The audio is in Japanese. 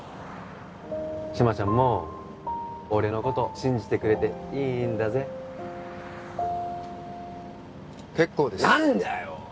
志摩ちゃんも俺のこと信じてくれていいんだぜ結構です何だよ！